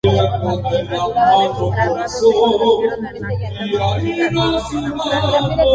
Algunos de sus graduados se convirtieron en artistas muy significativos en Australia.